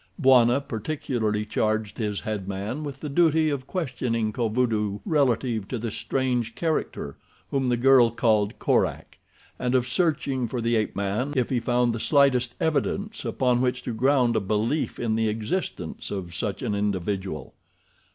Bwana particularly charged his head man with the duty of questioning Kovudoo relative to the strange character whom the girl called Korak, and of searching for the ape man if he found the slightest evidence upon which to ground a belief in the existence of such an individual.